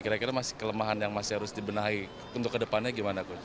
kira kira masih kelemahan yang masih harus dibenahi untuk ke depannya gimana